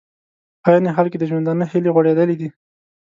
په عین حال کې د ژوندانه هیلې غوړېدلې دي